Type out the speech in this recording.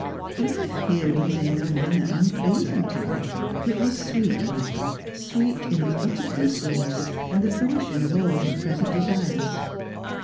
The life here was in no manner unpleasing to him ; it was sweet rather, sweet in its utter peacefulness, and the i'ruition of all his present desires.